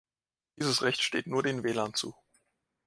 Dieses Recht steht nur den Wählern zu.